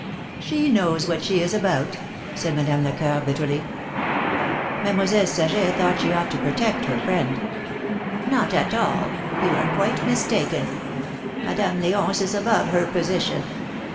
'' She knows what she is about !" said Madame Lecoeur, bitterly. Mademoiselle Saget thought she ought to protect her friend. Not at all. You are quite mistaken. Madame Leonce is above her position.